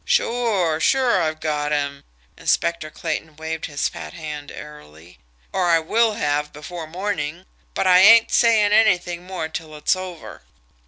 "Sure! Sure, I've got him." Inspector Clayton waved his fat hand airily. "Or I will have before morning but I ain't saying anything more till it's over."